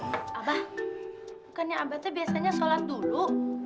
abah bukannya abah itu biasanya sholat dulu